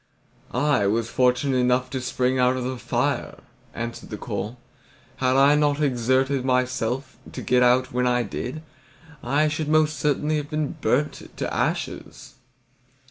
"I was fortunate enough to spring out of the fire," answered the coal. "Had I not exerted myself to get out when I did, I should most certainly have been burnt to ashes."